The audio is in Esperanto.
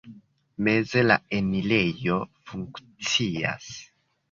Meze la enirejo funkcias.